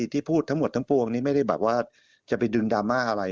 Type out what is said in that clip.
ที่พูดทั้งหมดทั้งปวงนี้ไม่ได้แบบว่าจะไปดึงดราม่าอะไร